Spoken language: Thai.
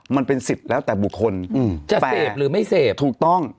มันเป็นสิทธิ์แล้วแต่บุคคลจะเสพหรือไม่เสพถูกต้อง